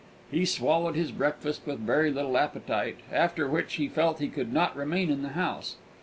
He swallowed his breakfast with very little appetite, after which he felt he could not remain in the house.